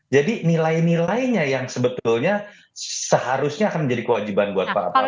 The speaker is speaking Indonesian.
jadi nilai nilainya yang sebetulnya seharusnya akan menjadi kewajiban buat pak prabowo